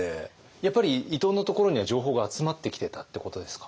やっぱり伊藤のところには情報が集まってきてたってことですか。